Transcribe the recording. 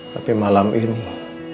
tapi malam ini